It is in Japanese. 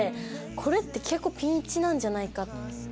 これって結構ピンチなんじゃないかって。